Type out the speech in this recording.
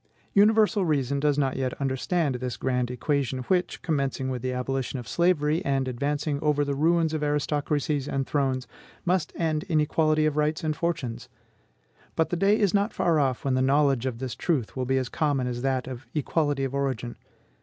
Universal reason does not yet understand this grand equation, which, commencing with the abolition of slavery, and advancing over the ruins of aristocracies and thrones, must end in equality of rights and fortunes; but the day is not far off when the knowledge of this truth will be as common as that of equality of origin.